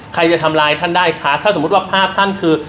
ใครจะทำลายท่านได้คะถ้าสมมุติว่าภาพท่านคือ